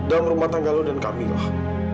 dalam rumah tangga lo dan kamilah